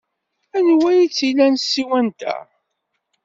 Anwa ay tt-ilan tsiwant-a?